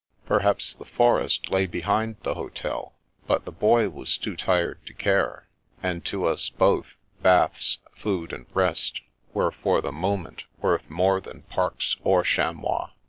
Perhaps the forest lay behind the hotel; but the Boy was too tired to care, and to us both baths, food, and rest were for the moment worth more than parks or chamois.